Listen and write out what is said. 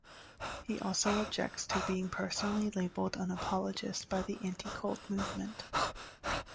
He also objects to being personally labeled an "apologist" by the "anti-cult movement".